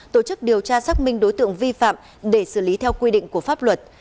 tổ chức điều tra xác minh đối tượng vi phạm để xử lý theo quy định của pháp luật